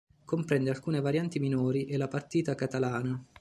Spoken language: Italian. Comprende alcune varianti minori e la partita catalana.